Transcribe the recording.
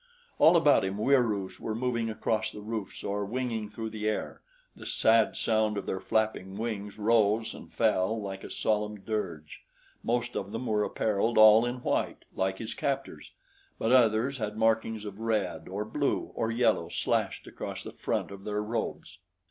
All about him Wieroos were moving across the roofs or winging through the air. The sad sound of their flapping wings rose and fell like a solemn dirge. Most of them were appareled all in white, like his captors; but others had markings of red or blue or yellow slashed across the front of their robes.